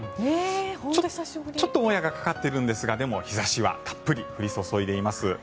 ちょっともやがかかっているんですがでも、日差しはたっぷり降り注いでいます。